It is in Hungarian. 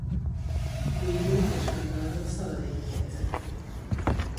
Guidót és Rajnaldot Szaladin elé vezették.